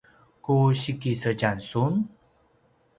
ku sikisedjam sun?